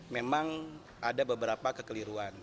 memang ada beberapa kekeliruan